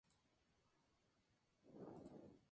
La hoja tiene de dos a cuatro nervios laterales.